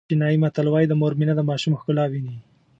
چینایي متل وایي د مور مینه د ماشوم ښکلا ویني.